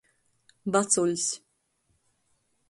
Vacuļs.